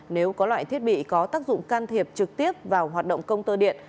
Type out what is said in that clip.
nếu có loại thiết bị có tác dụng can thiệp trực tiếp vào hoạt động công tơ điện